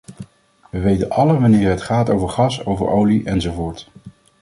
We weten allen wanneer het gaat over gas, over olie, enzovoort.